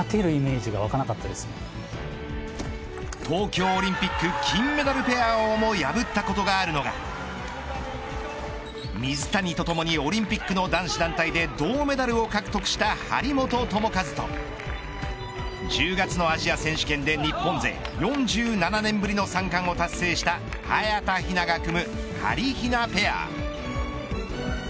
東京オリンピック金メダルペアをも破ったことがあるのが水谷とともにオリンピックの男子団体で銅メダルを獲得した張本智和と１０月のアジア選手権で日本勢４７年ぶりの三冠を達成した早田ひなが組むはりひなペア。